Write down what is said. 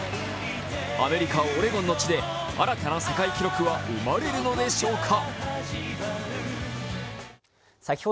アメリカ・オレゴンの地で新たな世界記録は生まれるのでしょうか。